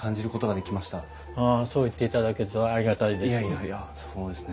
ああそう言っていただけるとありがたいです。